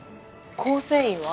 構成員は？